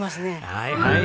はいはい。